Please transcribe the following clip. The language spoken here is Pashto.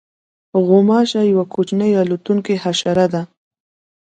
غوماشه یوه کوچنۍ الوتونکې حشره ده.